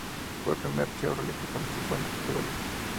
Fue el primer Chevrolet que participó en la categoría.